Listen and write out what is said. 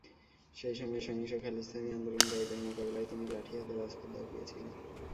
সেই সময় সহিংস খালিস্তানি আন্দোলনকারীদের মোকাবিলায় তিনি লাঠি হাতে রাজপথ দাপিয়েছিলেন।